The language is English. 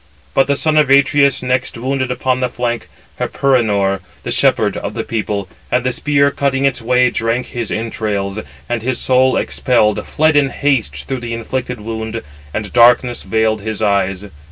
But the son of Atreus next wounded upon the flank Hyperenor, the shepherd of the people, and the spear, cutting its way, drank his entrails; and his soul, expelled, fled in haste through the inflicted wound, and darkness veiled his eyes.